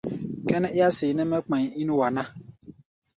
Kʼɛ́nɛ́ é há̧ seeʼnɛ́ mɛ́ kpai ín wa ná.